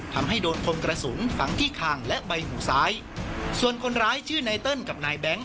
ทำให้โดนคมกระสุนฝังที่คางและใบหูซ้ายส่วนคนร้ายชื่อนายเติ้ลกับนายแบงค